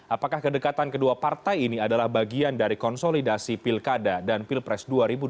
apakah kedekatan kedua partai ini adalah bagian dari konsolidasi pilkada dan pilpres dua ribu dua puluh